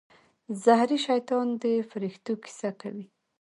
زهري شیطان د فرښتو کیسه کوي.